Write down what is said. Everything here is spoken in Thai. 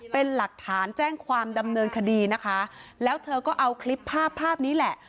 เป็นหลักฐานแจ้งความดำเนินคดีนะคะแล้วเธอก็เอาคลิปภาพภาพนี้แหละ